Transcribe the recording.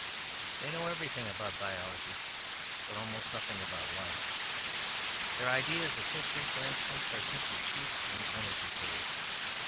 They know everything about biology, but almost nothing about life. Their ideas of history, for instance, are simply cheap and uneducated.